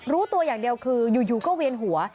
รู้ตัวอย่างเดียวคืออยู่ก็เวียนหัว